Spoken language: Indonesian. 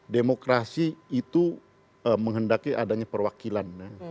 demokrasi itu menghendaki adanya perwakilan